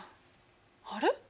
あれ？